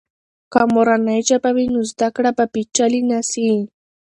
که مورنۍ ژبه وي، نو زده کړه به پیچلې نه سي.